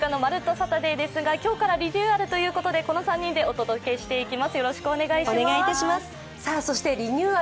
サタデー」ですが、今日からリニューアルということでこの３人でお届けしていきます